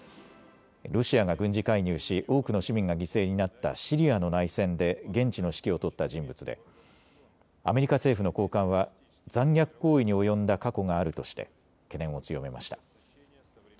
ロシアが軍事介入し多くの市民が犠牲になったシリアの内戦で現地の指揮を執った人物でアメリカ政府の高官は残虐行為に及んだ過去があるとして懸念を強めました。